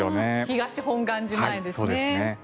東本願寺前ですね。